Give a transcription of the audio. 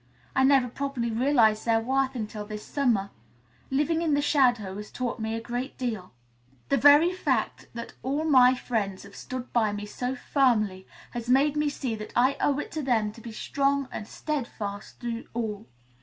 I never properly realized their worth until this summer. Living in the shadow has taught me a great deal. "The very fact that all my friends have stood by me so firmly has made me see that I owe it to them to be strong and steadfast through all.